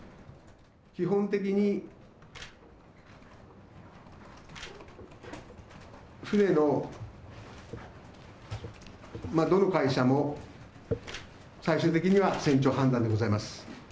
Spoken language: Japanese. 基本的に船のどの会社も、最終的には船長判断でございます。